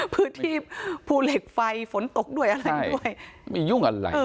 พื้นที่ภูเหล็กไฟฝนตกด้วยอะไรด้วยมียุ่งอะไร